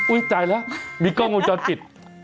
อุ้ยจ่ายแล้วมีกองมุมจอดปิด